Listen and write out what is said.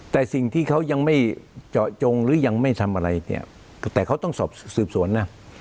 แต่สิ่งที่เขายังไม่เจาะจงหรือยังไม่ทำอะไรเนี่ยแต่เขาต้องสอบสืบสวนนะ